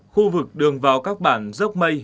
khu vực đường vào các bản dốc mây